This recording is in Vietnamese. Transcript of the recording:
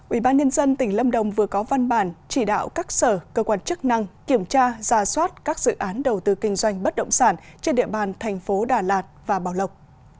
ubnd tỉnh lâm đồng vừa có văn bản chỉ đạo các sở cơ quan chức năng kiểm tra ra soát các dự án đầu tư kinh doanh bất động sản trên địa bàn thành phố đà lạt và bảo lộc